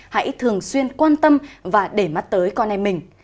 hãy thường xuyên quan tâm và để mắt tới con em mình